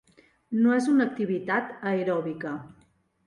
No és una activitat aeròbica.